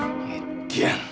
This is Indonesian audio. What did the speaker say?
cium sama nyamuk